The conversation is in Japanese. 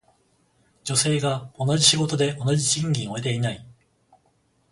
女性が同じ仕事で同じ賃金を得ていない。